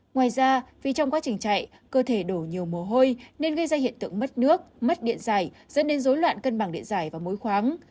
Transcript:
ngoài ra vì trong quá trình chạy cơ thể đổ nhiều mồ hôi nên gây ra hiện tượng mất nước mất điện giải dẫn đến rối loạn cân bằng điện giải và mối khoáng